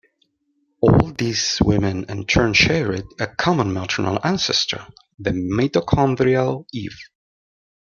All these women in turn shared a common maternal ancestor, the Mitochondrial Eve.